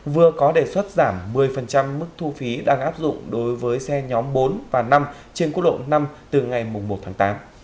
vừa có đề xuất giảm một mươi mức thu phí đang áp dụng đối với xe nhóm bốn và năm trên quốc lộ năm từ ngày một tháng tám